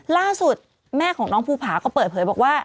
ล่าสุดแม่ของน้องภูผาก็เปิดเผยบอกว่า